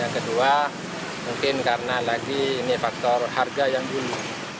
kedua mungkin karena lagi ini faktor harga yang dulu